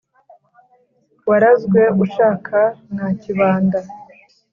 Warazwe ushaka mwa Kibanda.